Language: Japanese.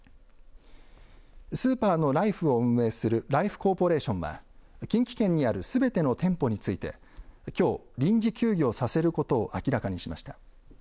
スーパーのライフを運営するライフコーポレーションは近畿圏にあるすべての店舗についてきょう臨時休業させることを明らかにしました。